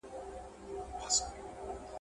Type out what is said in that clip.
• چي بد غواړې، پر بدو به واوړې.